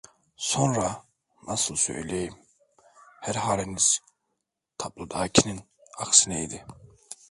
Sonra, nasıl söyleyeyim, her haliniz tablodakinin aksineydi…